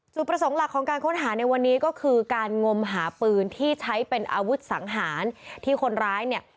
ประสงค์หลักของการค้นหาในวันนี้ก็คือการงมหาปืนที่ใช้เป็นอาวุธสังหารที่คนร้ายเนี่ย